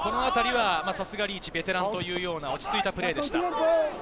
さすがリーチはベテランという落ち着いたプレーでした。